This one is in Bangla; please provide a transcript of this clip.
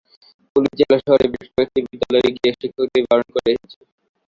পুলিশ জেলা শহরের বেশ কয়েকটি বিদ্যালয়ে গিয়ে শিক্ষকদের বারণ করে এসেছে।